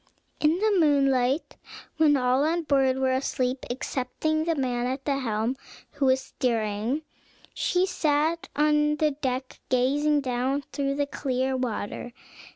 In the moonlight, when all on board were asleep, excepting the man at the helm, who was steering, she sat on the deck, gazing down through the clear water.